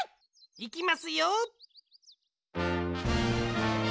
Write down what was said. いきますよ！